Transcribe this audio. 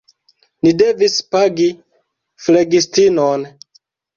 Ni devis pagi flegistinon.